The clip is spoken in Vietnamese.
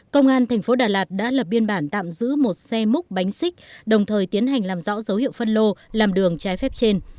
công an thành phố đà lạt đã lập biên bản tạm giữ một xe múc bánh xích đồng thời tiến hành làm rõ dấu hiệu phân lô làm đường trái phép trên